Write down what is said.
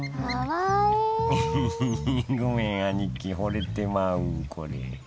ごめんアニキほれてまうこれ